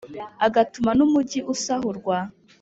agatuma n’umugi usahurwa.